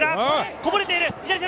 こぼれている！